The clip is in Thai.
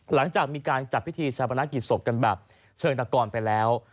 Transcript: หลังจากมีการจัดพิธีชาปนกิจศพกันแบบเชิงตะกรไปแล้ว